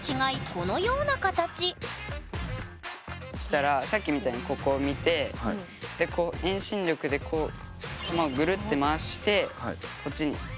このような形そしたらさっきみたいにここを見てでこう遠心力でこうぐるって回してこっちに。